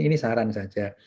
ini saran saja